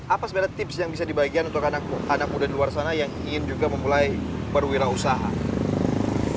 apa sebenarnya tips yang bisa dibagikan untuk anak muda di luar sana yang ingin juga memulai perwirausaha